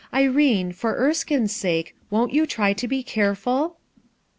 Irene, for Erskine'a sake wol try to be careful!"